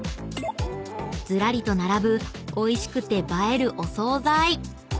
［ずらりと並ぶおいしくて映えるお惣菜］